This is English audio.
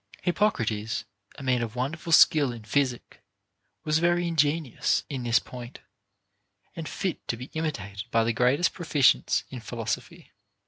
Hippocrates, a man of wonderful skill in physic, was verv ingenuous in this point, and fit to be imitated by the greatest proficients in philosophy.